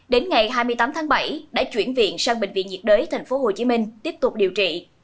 đến ngày hai mươi tám tháng bảy đã chuyển viện sang bệnh viện nhiệt đới tp hcm tiếp tục điều trị